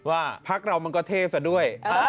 ว่าพักเรามันก็เท่ซะด้วย